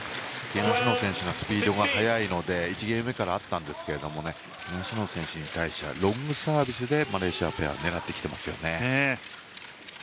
東野選手のスピードが速いので１ゲーム目からあったんですが東野選手に対してはロングサービスでマレーシアペアは狙ってきてますね。